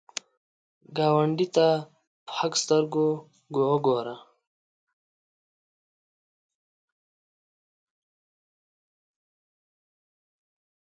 ګاونډي ته په حق سترګو وګوره